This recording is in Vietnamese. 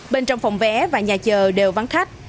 bên trong phòng vé và nhà chờ đều vắng khách